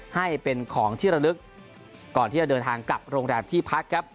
ให้เป็นของที่ระลึกก่อนที่จะเดินทางกลับโรงแรมที่พักครับ